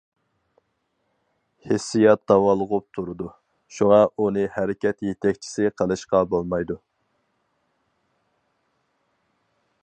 ھېسسىيات داۋالغۇپ تۇرىدۇ، شۇڭا ئۇنى ھەرىكەت يېتەكچىسى قىلىشقا بولمايدۇ.